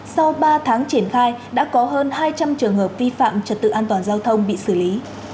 sau ba tháng triển khai đã có hơn hai trăm linh trường hợp vi phạm trật tự an toàn giao thông bị xử lý